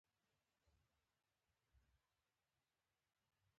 د دواړو په لاسونو کې کتابونه وو.